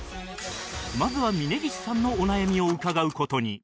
まずは峯岸さんのお悩みを伺う事に